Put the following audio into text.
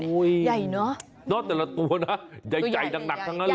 ใหญ่เนอะเนอะแต่ละตัวนะใหญ่หนักทั้งนั้นเลย